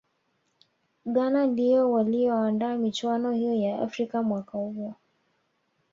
ghana ndiyo waliyoandaa michuano hiyo ya afrika mwaka huo